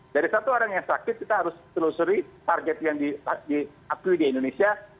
dari satu orang yang sakit kita harus telusuri target yang diakui di indonesia